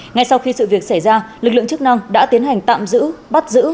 ngay sau khi sự việc xảy ra lực lượng chức năng đã tiến hành tạm giữ bắt giữ